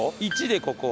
「１」でここ。